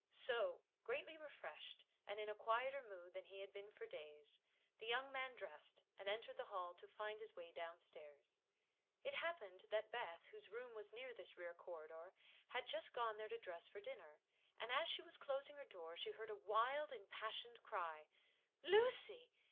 So, greatly refreshed, and in a quieter mood than he had been for days, the young man dressed and entered the hall to find his way downstairs. It happened that Beth, whose room was near this rear corridor, had just gone there to dress for dinner, and as she was closing her door she heard a wild, impassioned cry: "Lucy!"